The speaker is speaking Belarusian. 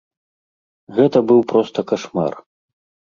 Гэта быў проста кашмар.